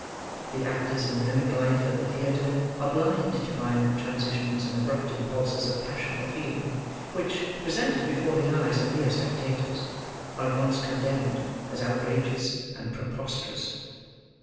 The actors in the mimic life of the theatre, are blind to violent transitions and abrupt impulses of passion or feeling, which, presented before the eyes of mere spectators, are at once condemned as outrageous and preposterous.